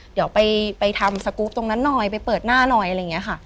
เดี๋ยวไปทำสกรูปตรงนั้นหน่อยไปเปิดหน้าหน่อยอะไรอย่างนี้ค่ะ